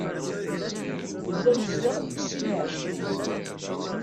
Nella nezdeɣ deg sin n iɛecciwen.